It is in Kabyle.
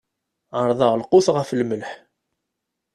Ɛerḍeɣ lqut ɣef lmelḥ.